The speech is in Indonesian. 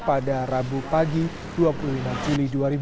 pada rabu pagi dua puluh lima juli dua ribu dua puluh